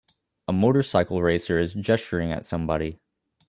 A motorcycle racer is gesturing at somebody